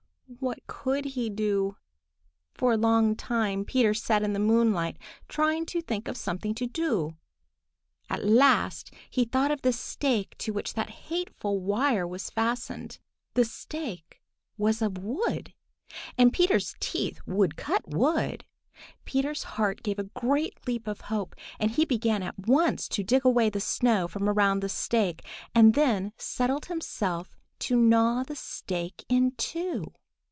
What could he do? For a long time Peter sat in the moonlight, trying to think of something to do. At last he thought of the stake to which that hateful wire was fastened. The stake was of wood, and Peter's teeth would cut wood. Peter's heart gave a great leap of hope, and he began at once to dig away the snow from around the stake, and then settled himself to gnaw the stake in two.